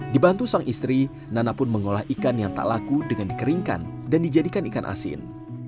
dibantu sang istri nana pun mengolah ikan yang tak laku dengan dikeringkan dan dijadikan ikan asin